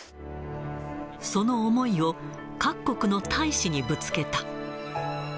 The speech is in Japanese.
その思いを、各国の大使にぶつけた。